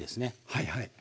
はいはい。